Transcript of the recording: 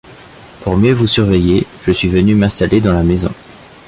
Pour mieux vous surveiller, je suis venu m'installer dans la maison…